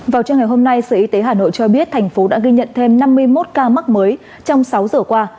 vào trưa ngày hôm nay sở y tế hà nội cho biết thành phố đã ghi nhận thêm năm mươi một ca mắc mới trong sáu giờ qua